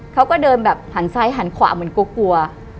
เขาก็เดินแบบหันซ้ายหันขวาเหมือนกลัว